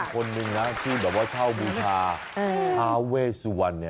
คุณเป็นคนหนึ่งที่เช่าบูชาเท้าเวสุวรรณ